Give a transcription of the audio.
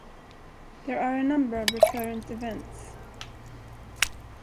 There are a number of recurrent events.